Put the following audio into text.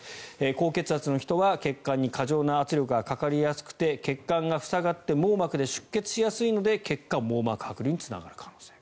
高血圧の人は血管に過剰な圧力がかかりやすくて血管が塞がって網膜で出血しやすいので結果、網膜はく離につながる可能性。